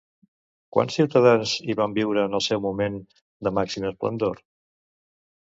Quants ciutadans hi van viure en el seu moment de màxima esplendor?